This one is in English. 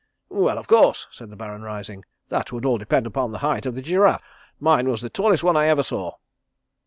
"Well, of course," said the Baron, rising, "that would all depend upon the height of the giraffe. Mine was the tallest one I ever saw."